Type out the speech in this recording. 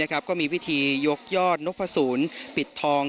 ก็มีวิธียกยอดนกผสูนปิดทอง